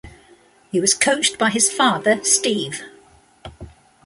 He was coached by his father, Steve.